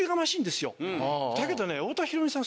だけどね太田裕美さん